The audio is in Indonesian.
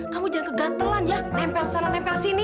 kamu jangan kegantelan ya nempel sana nempel sini